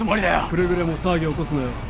くれぐれも騒ぎを起こすなよ。